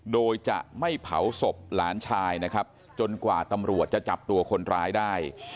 โดยจะไม่เผาศพหลานชายนะครับจนกว่าตำรวจจะจับตัวคนร้ายได้